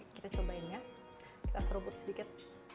kita cobain ya kita seruput sedikit